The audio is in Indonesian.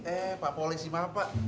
eh pak polisi mah pak